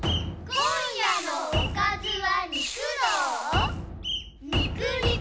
今夜のおかずは。